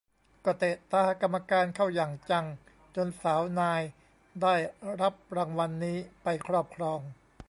ก็เตะตากรรมการเข้าอย่างจังจนสาวนายได้รับรางวัลนี้ไปครอบครอง